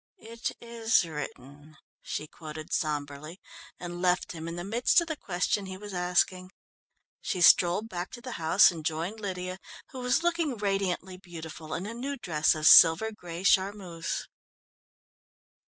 "'It is written'," she quoted sombrely and left him in the midst of the question he was asking. She strolled back to the house and joined Lydia who was looking radiantly beautiful in a new dress of silver grey charmeuse.